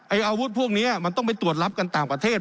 อาวุธพวกนี้มันต้องไปตรวจรับกันต่างประเทศ